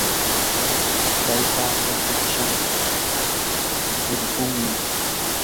taytapaa mashan purikuqmi.